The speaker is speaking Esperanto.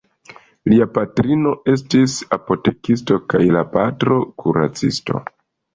Lia patrino estis apotekisto kaj la patro kuracisto.